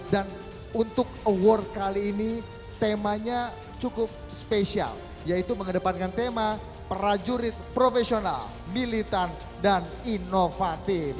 dan untuk award kali ini temanya cukup spesial yaitu mengedepankan tema prajurit profesional militan dan inovatif